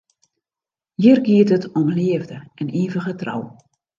Hjir giet it om leafde en ivige trou.